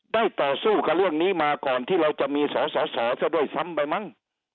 ต่อสู้กับเรื่องนี้มาก่อนที่เราจะมีสอสอซะด้วยซ้ำไปมั้ง